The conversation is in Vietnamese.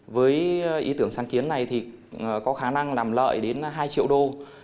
với ý tưởng sáng kiến này thì có khả năng làm lợi đến hai triệu đô